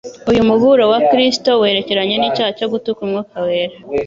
Uyu muburo wa Kristo werekeranye n'icyaha cyo gutuka Umwuka wera,